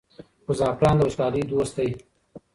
خو زعفران د وچکالۍ دوست دی.